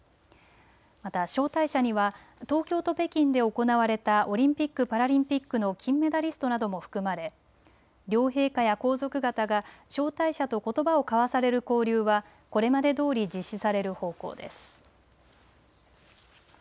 また招待者には東京と北京で行われたオリンピック・パラリンピックの金メダリストなども含まれ両陛下や皇族方が招待者とことばを交わされる交流はこれまでどおり実施される方向です。